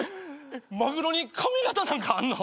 マグロに髪形なんかあんの？